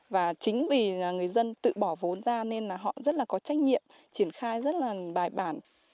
và chính vì người dân tự bỏ vốn ra nên là họ rất là có trách nhiệm triển khai rất là bài bản